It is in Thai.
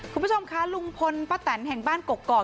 คุณผู้ชมคะลุงพลป้าแตนแห่งบ้านกกอก